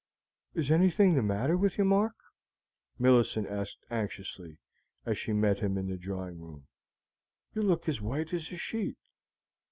"Is anything the matter with you, Mark?" Millicent asked anxiously, as she met him in the drawing room; "you look as white as a sheet."